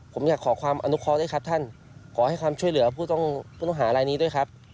ผมอยากขอความอนุเคาะด้วยครับท่านขอให้ความช่วยเหลือผู้ต้องหารายนี้ด้วยครับ